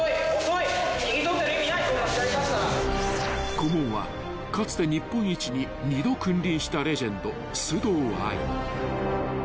［顧問はかつて日本一に二度君臨したレジェンド須藤愛］